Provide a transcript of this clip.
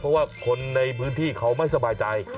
เพราะว่าคนในพื้นที่เขาไม่สบายใจ